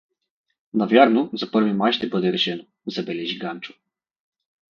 — Навярно, за първи май ще бъде решено — забележи Ганчо.